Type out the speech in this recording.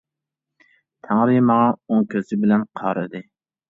تەڭرى ماڭا ئوڭ كۆزى بىلەن قارىدى.